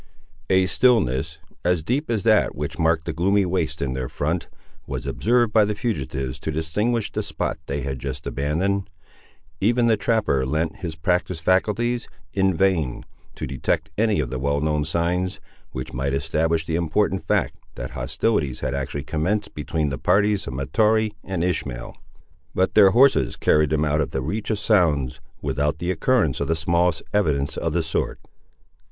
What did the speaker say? A stillness, as deep as that which marked the gloomy wastes in their front, was observed by the fugitives to distinguish the spot they had just abandoned. Even the trapper lent his practised faculties, in vain, to detect any of the well known signs, which might establish the important fact that hostilities had actually commenced between the parties of Mahtoree and Ishmael; but their horses carried them out of the reach of sounds, without the occurrence of the smallest evidence of the sort.